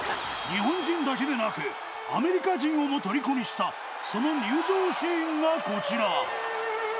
日本人だけでなくアメリカ人をも虜にしたその入場シーンがこちら。